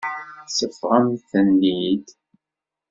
Seffɣemt-ten-id.